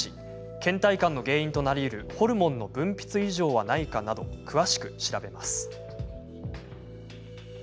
けん怠感の原因となりうるホルモンの分泌異常はないかなど詳しく調べます。